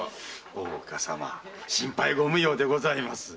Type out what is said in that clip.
大岡様心配ご無用でございます。